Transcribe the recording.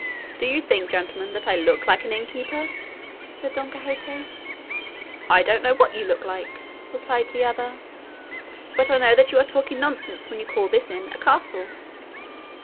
"Do you think, gentlemen, that I look like an innkeeper?" said Don Quixote. "I don't know what you look like," replied the other; "but I know that you are talking nonsense when you call this inn a castle."